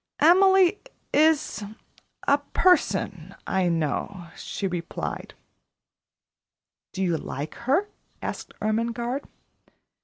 "Emily is a person I know," she replied. "Do you like her?" asked Ermengarde.